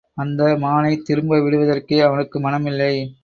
அந்த மானை திரும்ப விடுவதற்கே அவனுக்கு மனமில்லை.